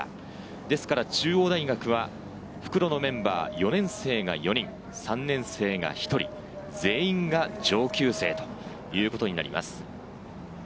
ですから中央大学は復路のメンバー、４年生が４人、３年生が１人、全員が上級生ということになります。